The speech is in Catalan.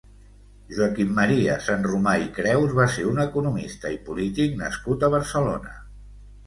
Joaquim Maria Sanromà i Creus va ser un economista i polític nascut a Barcelona.